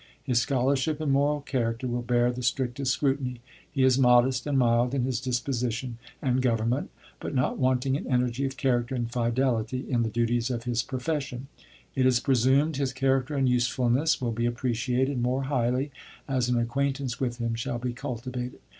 His scholarship and moral character will bear the strictest scrutiny. He is modest and mild in his disposition and government, but not wanting in energy of character and fidelity in the duties of his profession. It is presumed his character and usefulness will be appreciated more highly as an acquaintance with him shall be cultivated.